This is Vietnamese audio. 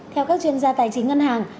theo các chuyên gia tài chính ngân hàng